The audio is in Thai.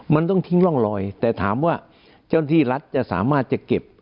มันต้องทิ้งร่องรอยแต่ถามว่าเจ้าหน้าที่รัฐจะสามารถจะเก็บ